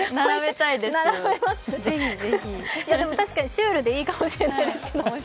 たしかにシュールでいいかもしれないですけど。